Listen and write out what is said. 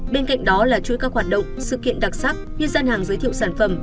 bên cạnh đó là chuỗi các hoạt động sự kiện đặc sắc như gian hàng giới thiệu sản phẩm